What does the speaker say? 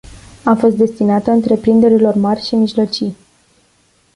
A fost destinată întreprinderilor mari și mijlocii.